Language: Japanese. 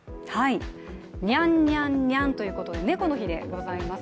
にゃんにゃんにゃんということで猫の日でございます。